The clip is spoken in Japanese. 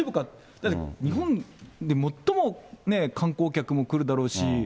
だって、日本で最も観光客も来るだろうし。